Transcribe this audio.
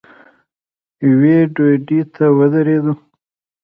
یوې ډډې ته ودرېدو.